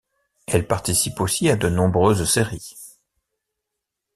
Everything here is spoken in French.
Elle participe aussi à de nombreuses séries.